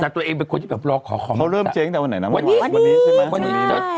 แต่ตัวเองเป็นคนที่แบบรอขอของเขาเริ่มเจ๊งตั้งแต่วันไหนนะวันนี้ใช่ไหม